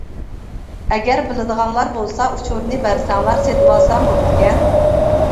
ئەگەر بىلىدىغانلار بولسا ئۇچۇرىنى بەرسەڭلار سېتىۋالسام بوپتىكەن.